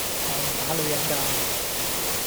我唔打女人㗎